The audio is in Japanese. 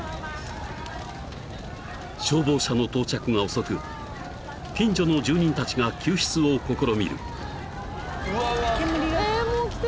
［消防車の到着が遅く近所の住人たちが救出を試みる］